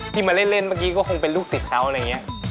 มาเล่นเมื่อกี้ก็คงเป็นลูกศิษย์เขาอะไรอย่างนี้